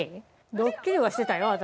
ドッキリはしてたよ私。